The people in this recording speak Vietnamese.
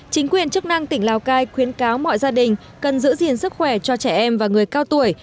chính quyền chức năng tỉnh lào cai khuyến cáo mọi gia đình cần giữ gìn sức khỏe cho trẻ em và người cao tuổi